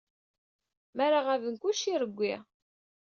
Mi ara ɣaben, kullec irewwi.